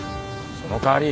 そのかわり！